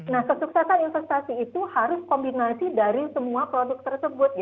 nah kesuksesan investasi itu harus kombinasi dari semua produk tersebut